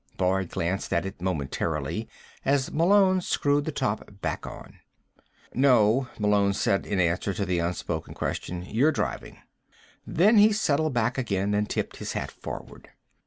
Boyd glanced at it momentarily as Malone screwed the top back on. "No," Malone said in answer to the unspoken question. "You're driving." Then he settled back again and tipped his hat forward.